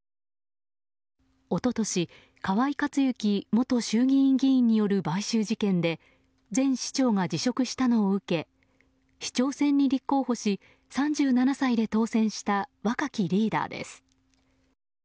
一昨年河井克行元衆議院議員による買収事件で前市長が辞職したのを受け市長選に立候補し３７歳で当選した若きリーダーです。